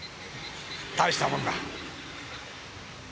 たいしたもんだ。